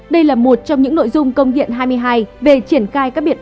đây là một trong những nội dung công diện hai mươi hai về triển khai các biệt bệnh